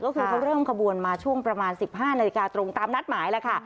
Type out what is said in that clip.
ก็คือเขาเริ่มขบวนมาช่วงประมาณ๑๕นาฬิกาตรงตามนัดหมายแล้วค่ะ